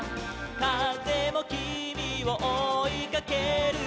「かぜもきみをおいかけるよ」